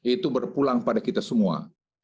itu berpulang pada kita semua